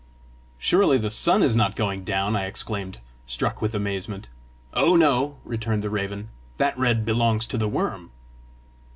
"Surely the sun is not going down!" I exclaimed, struck with amazement. "Oh, no!" returned the raven. "That red belongs to the worm."